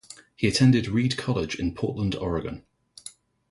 He attended Reed College in Portland, Oregon.